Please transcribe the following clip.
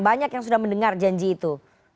banyak yang sudah mendengar janji itu